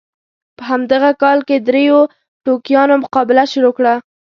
په همدغه کال کې دریو ټوکیانو مقابله شروع کړه.